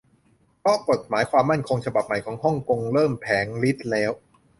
เพราะกฏหมายความมั่นคงฉบับใหม่ของฮ่องกง เริ่มแผลงฤทธิ์แล้ว